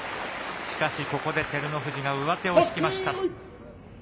しかし、ここで照ノ富士が上手を引きました。